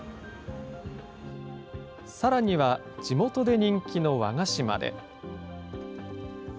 さらには地元で人気の和菓子まで。